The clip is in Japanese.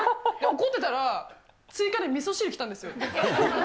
怒ってたら、追加でみそ汁来たんですよ。